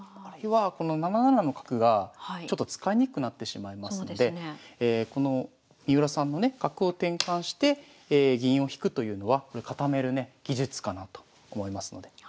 あるいはこの７七の角がちょっと使いにくくなってしまいますのでこの三浦さんのね角を転換して銀を引くというのはこれ固めるね技術かなと思いますので。